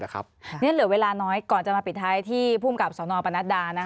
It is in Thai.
นี่ก็เหลือเวลาน้อยก่อนจะมาปิดท้ายที่ภูมิกับสนปรณัฐดานะคะ